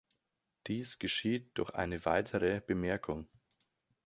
Dies geschieht durch eine weitere Bemerkung.